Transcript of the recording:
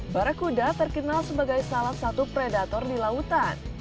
barakuda terkenal sebagai salah satu predator di lautan